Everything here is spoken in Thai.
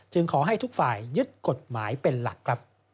จึงขอให้ทุกฝ่ายยึดกฎหมายเป็นหลัก